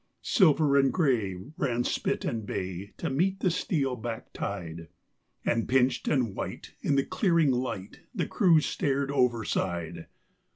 Silver and gray ran spit and bay to meet the steel backed tide, And pinched and white in the clearing light the crews stared overside.